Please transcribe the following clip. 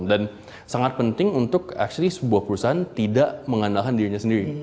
dan sangat penting untuk actually sebuah perusahaan tidak mengandalkan dirinya sendiri